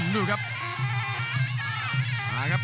ดูครับ